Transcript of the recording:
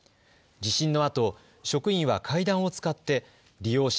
地震のあと職員は階段を使って利用者